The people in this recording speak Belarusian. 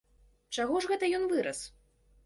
Чаго ж гэта ён вырас?